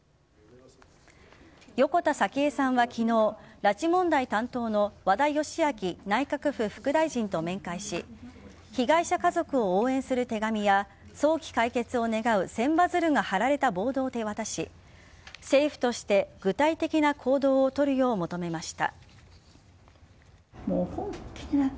横田早紀江さんは昨日拉致問題担当の和田義明内閣府副大臣と面会し被害者家族を応援する手紙や早期解決を狙う千羽鶴が貼られたボードを渡し政府として具体的な行動を取るよう求めました。